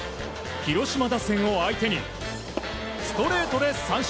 広島打線を相手にストレートで三振。